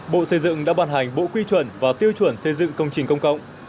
bộ xây dựng đã bàn hành bộ quy chuẩn và tiêu chuẩn xây dựng công trình công cộng